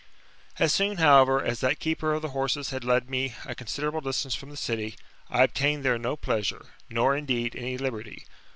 As soon, however, as the keeper of the horses had led me a considerable distance from the city, I obtained there no pleasure, nor, indeed, any liberty.